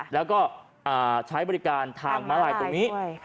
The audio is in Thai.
แล้วก็ใช้บริการทางม้าลายตรงนี้